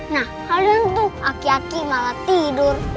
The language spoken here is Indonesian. nah kalian tuh aki aki malah tidur